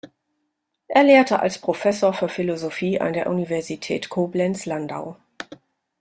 Er lehrte als Professor für Philosophie an der Universität Koblenz-Landau.